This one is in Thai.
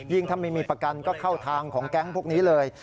ถ้าไม่มีประกันก็เข้าทางของแก๊งพวกนี้เลย